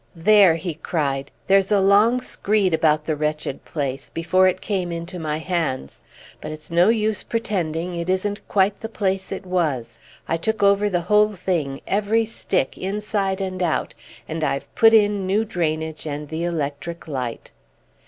"There," he cried, "there's a long screed about the wretched place, before it came into my hands. But it's no use pretending it isn't quite the place it was. I took over the whole thing every stick outside and in and I've put in new drainage and the electric light."